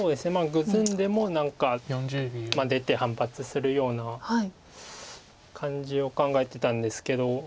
グズんでも何か出て反発するような感じを考えてたんですけど。